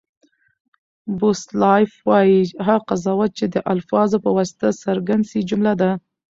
بوسلایف وایي، هغه قضاوت، چي د الفاظو په واسطه څرګند سي؛ جمله ده.